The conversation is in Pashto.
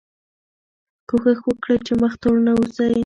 کوښښ وکړئ چې مخ تور نه اوسئ.